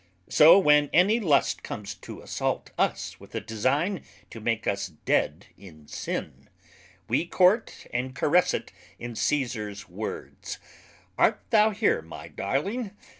So when any Lust comes to assault us with a design to make us dead in sin, we court and caress it in Cæsars words, Art thou here, my Darling?